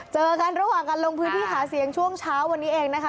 เจอกันระหว่างการลงพื้นที่หาเสียงช่วงเช้าวันนี้เองนะคะ